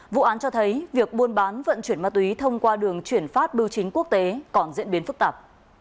vụ án cho thấy việc buôn bán vận chuyển ma túy thông qua đường chuyển phát bưu chính quốc tế còn diễn biến phức tạp